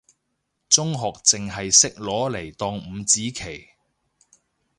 中學淨係識攞嚟當五子棋，